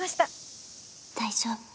大丈夫。